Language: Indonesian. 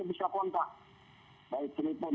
ya karena pendekatan oleh nuswari yang ini